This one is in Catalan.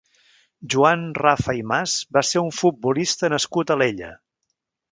Joan Rafa i Mas va ser un futbolista nascut a Alella.